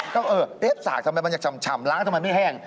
ก็เออเอ๊ะสากทำไมมันยังฉ่ำล้างทำไมไม่แห้ง